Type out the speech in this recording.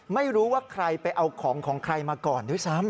ไม่รู้ว่าใครไปเอาของของใครมาก่อนด้วยซ้ำ